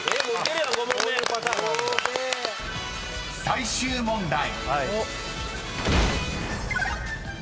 ［最終問題］